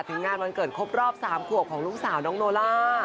ถึงงานวันเกิดครบรอบ๓ขวบของลูกสาวน้องโนล่า